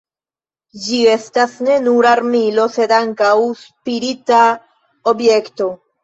Ĝi estas ne nur armilo, sed ankaŭ spirita objekto.